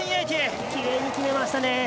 きれいに決めましたね。